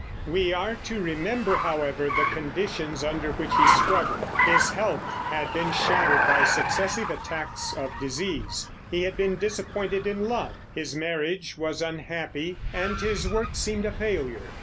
We are to remember, however, the conditions under which he struggled. His health had been shattered by successive attacks of disease; he had been disappointed in love; his marriage was unhappy; and his work seemed a failure.